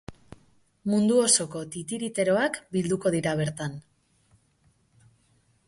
Mundu osoko titiriteroak bilduko dira bertan.